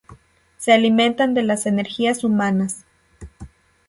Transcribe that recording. Se alimentan de las energías humanas.